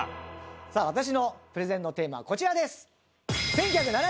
さあ私のプレゼンのテーマはこちらです。